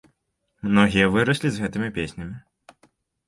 Многія выраслі з гэтымі песнямі.